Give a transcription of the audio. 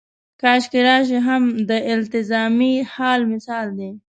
کاشکې راشي هم د التزامي حال مثال دی.